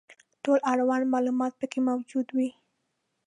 ټول اړوند معلومات پکې موجود وي.